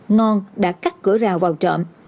ngon đã cắt cửa rào vào trộm